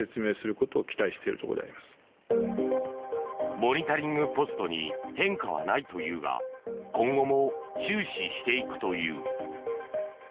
モニタリングポストに変化はないというが今後も注視していくという。